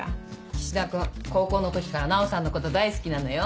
岸田君高校の時から奈央さんのこと大好きなのよ。